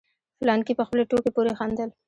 فلانکي په خپلې ټوکې پورې خندل.